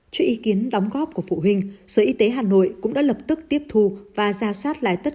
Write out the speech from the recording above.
trước ý kiến đóng góp của phụ huynh sở y tế hà nội cũng đã lập tức tiếp thu và ra soát lại tất